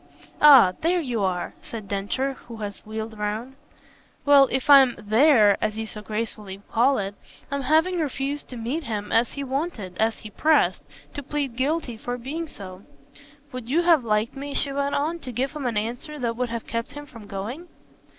"Ah there you are!" said Densher who had wheeled round. "Well, if I'm 'there,' as you so gracefully call it, by having refused to meet him as he wanted as he pressed I plead guilty to being so. Would you have liked me," she went on, "to give him an answer that would have kept him from going?"